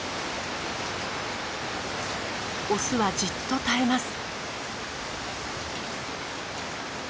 オスはじっと耐えます。